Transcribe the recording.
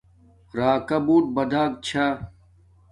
راکا بوت بڑک چھا